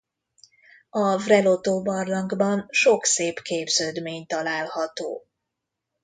A Vreloto-barlangban sok szép képződmény található.